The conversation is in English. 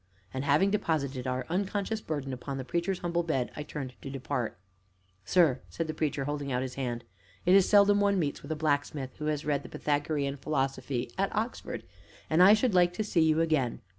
And, having deposited our unconscious burden upon the Preacher's humble bed, I turned to depart. "Sir," said the Preacher, holding out his hand, "it is seldom one meets with a blacksmith who has read the Pythagorean Philosophy at Oxford, and I should like to see you again.